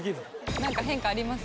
なんか変化あります？